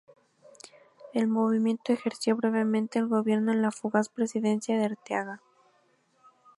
El movimiento ejerció brevemente el gobierno en la fugaz presidencia de Arteaga.